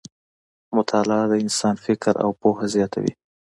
مطالعه د انسان فکر او پوهه زیاتوي.